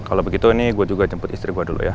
kalau begitu ini gue juga jemput istri gue dulu ya